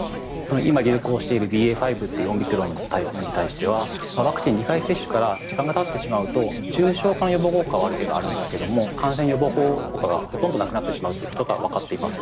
今、流行しているＢＡ．５というオミクロンのタイプに対してはワクチン２回接種から時間がたってしまうと重症化の予防効果はある程度あるんですけど感染予防効果はほとんどなくなってしまうことがわかっています。